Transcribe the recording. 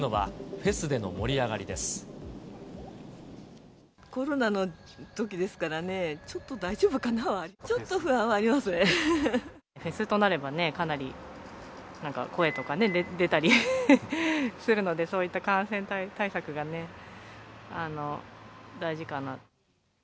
フェスとなれば、かなりなんか声とかね、出たりするので、そういった感染対策がね、大事かな。